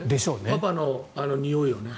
パパのにおいはね。